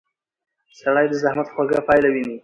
سړی د زحمت خوږه پایله ویني